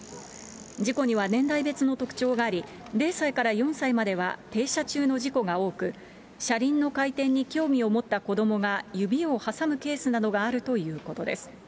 事故には年代別の特徴があり、０歳から４歳までは停車中の事故が多く、車輪の回転に興味を持った子どもが指を挟むケースなどがあるということです。